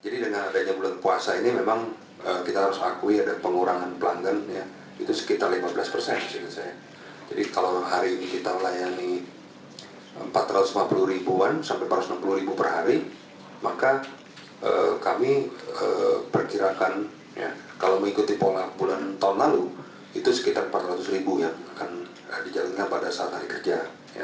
dan kalau mengikuti pola bulan tahun lalu itu sekitar empat ratus ribu yang akan dijalankan pada saat hari kerja